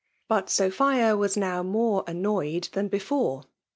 But Sophia was now more an noyed tiian before.